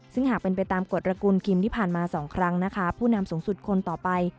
ซึ่งหากเป็นไปตามกฎระกูลคิมที่ผ่านมา๒ครั้งนะคะผู้นำสูงสุดคนต่อไป